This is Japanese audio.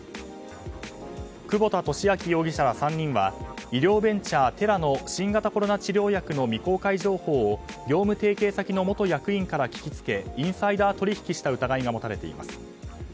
久保田俊明容疑者ら３人は医療ベンチャー、テラの新型コロナ治療薬の未公開情報を業務提携先の元役員から聞きつけインサイダー取引した疑いが持たれています。